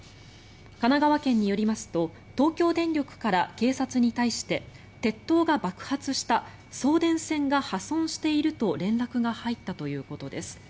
神奈川県によりますと東京電力から警察に対して鉄塔が爆発した送電線が破損していると連絡が入ったということです。